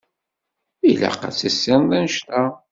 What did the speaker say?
Ilaq ad tissineḍ annect-a.